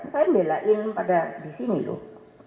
saya ngebelain pada di sini loh